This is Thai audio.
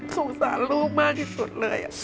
สงสารลูกมากที่สุดเลย